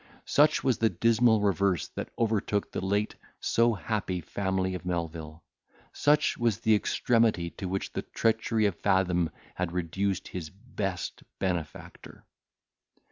Such was the dismal reverse that overtook the late so happy family of Melvil; such was the extremity to which the treachery of Fathom had reduced his best benefactor!